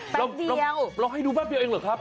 แป๊บเดียวเราให้ดูแป๊บเดียวเองเหรอครับ